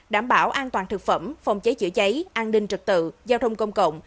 đảm bảo an toàn thực phẩm phòng cháy chữa cháy an ninh trật tự giao thông công cộng